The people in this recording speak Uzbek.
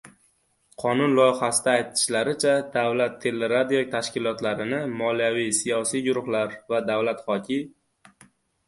Qonun loyihasida aytilishicha, davlat teleradio tashkilotlarini moliyaviy-siyosiy guruhlar va davlat hoki